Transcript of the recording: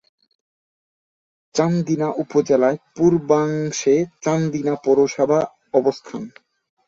চান্দিনা উপজেলার পূর্বাংশে চান্দিনা পৌরসভার অবস্থান।